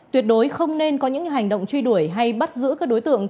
tuyệt đối không nên có những hành động truy đuổi hay bắt giữ các đối tượng